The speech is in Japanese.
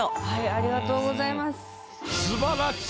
ありがとうございます。